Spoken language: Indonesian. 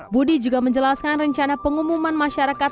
budi juga menjelaskan rencana pengumuman masyarakat